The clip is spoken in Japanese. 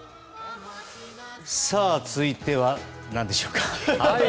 続いては、何でしょうか？